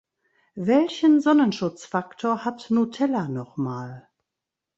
Welchen Sonnenschutzfaktor hat Nutella noch mal?